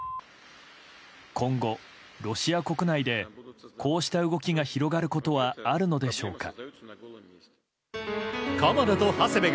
今後、ロシア国内でこうした動きが広がることはあるのでしょうか。